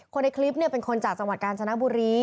ในคลิปเป็นคนจากจังหวัดกาญจนบุรี